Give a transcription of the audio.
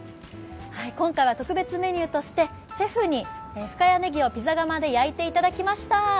今回は特別メニューとしてシェフに深谷ねぎをピザ窯で焼いていただきました。